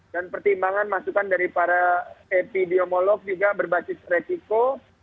dan pertimbangan masukan dari para epidemiolog juga berbasis resiko